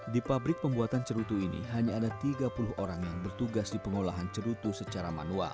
di pabrik pembuatan cerutu ini hanya ada tiga puluh orang yang bertugas di pengolahan cerutu secara manual